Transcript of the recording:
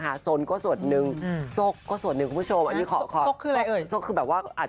อาจจะเป็นแบบว่า